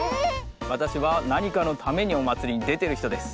わたしはなにかのためにおまつりにでてるひとです。